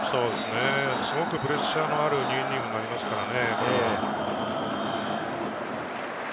すごくプレッシャーのある２イニングになりますからね。